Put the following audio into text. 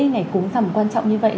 ngày cúng giảm quan trọng như vậy